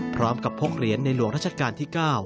พร้อมกับพกเหรียญในหลวงราชการที่๙